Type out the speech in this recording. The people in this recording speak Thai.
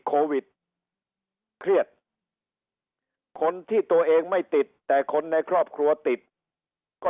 โควิดเครียดคนที่ตัวเองไม่ติดแต่คนในครอบครัวติดก็